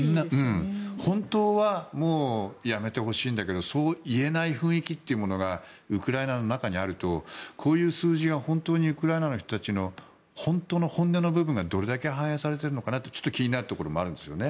本当はもうやめてほしいんだけどそう言えない雰囲気というものがウクライナの中にあるとこういう数字が本当にウクライナの人たちの本当の本音の部分がどれだけ反映されているのかとちょっと気になるところではあるんですね。